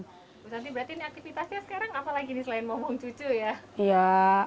bu santi berarti ini aktivitasnya sekarang apa lagi selain ngomong cucu ya